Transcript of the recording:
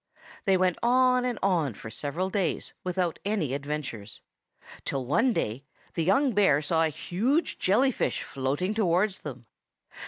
They went on and on for several days without any adventures; till one day the young bear saw a huge jelly fish floating towards them.